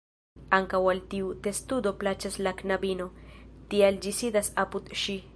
Ankaŭ al tiu testudo plaĉas la knabino, tial ĝi sidas apud ŝi.